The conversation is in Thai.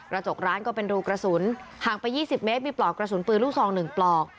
จกร้านก็เป็นรูกระสุนห่างไป๒๐เมตรมีปลอกกระสุนปืนลูกซอง๑ปลอก